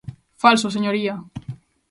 ¡Falso, señoría!